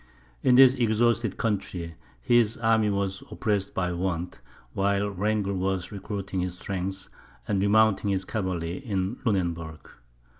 In this exhausted country, his army was oppressed by want, while Wrangel was recruiting his strength, and remounting his cavalry in Lunenburg.